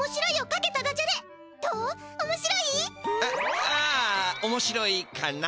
あああおもしろいかな。